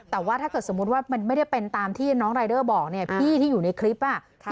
แต่ว่าถ้าเกิดสมมุติว่ามันไม่ได้เป็นตามที่น้องรายเดอร์บอกเนี่ยพี่ที่อยู่ในคลิป